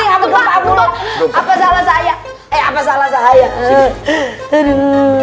gempak di mana